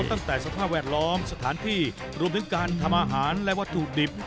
ตั้งแต่สภาพแวดล้อมสถานที่รวมถึงการทำอาหารและวัตถุดิบ